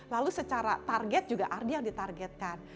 lalu secara target juga ardi yang ditargetkan